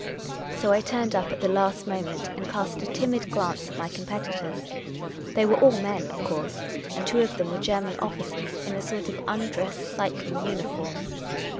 " So I turned up at the last moment, and cast a timid glance at my competitors. They were all men, of course, and two of them were German officers in a sort of undress cycling uniform.